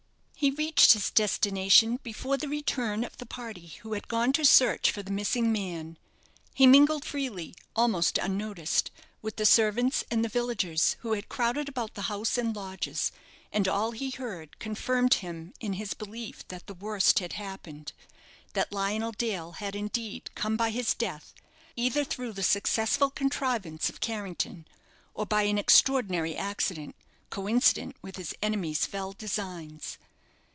He reached his destination before the return of the party who had gone to search for the missing man. He mingled freely, almost unnoticed, with the servants and the villagers who had crowded about the house and lodges, and all he heard confirmed him in his belief that the worst had happened, that Lionel Dale had, indeed, come by his death, either through the successful contrivance of Carrington, or by an extraordinary accident, coincident with his enemy's fell designs.